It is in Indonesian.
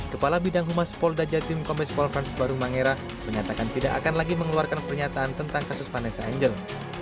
kepala bidang humas pol dajatim kompes pol frans barung mangera menyatakan tidak akan lagi mengeluarkan pernyataan tentang kasus vanessa angel